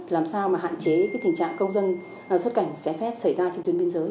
làm sao mà hạn chế tình trạng công dân xuất cảnh trái phép xảy ra trên tuyến biên giới